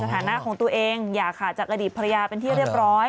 หน้าของตัวเองอย่าขาดจากกระดิษฐ์ภรรยาเป็นที่เรียบร้อย